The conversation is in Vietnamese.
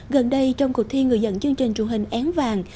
gần đây trong cuộc thi người dẫn chương trình truyền hình én vàng